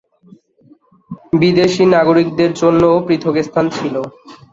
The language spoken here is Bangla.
বিদেশী নাগরিকদের জন্যও পৃথক স্থান ছিল।